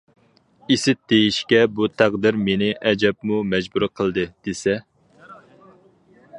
ئىسىت دېيىشكە بۇ تەقدىر مېنى ئەجەبمۇ مەجبۇر قىلدى دېسە.